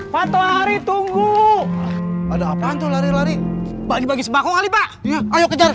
pantau hari tunggu ada apaan tuh lari lari bagi bagi sembako kali pak ayo kejar